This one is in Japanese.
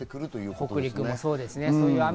北陸もそうですね。